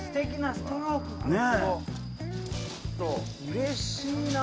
うれしいな。